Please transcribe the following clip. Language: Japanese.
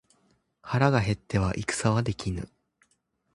腹が減っては戦はできぬ